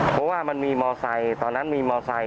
เพราะว่ามันมีมอไซค์ตอนนั้นมีมอไซค